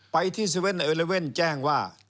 ไปที่๗๑๑แจ้งว่า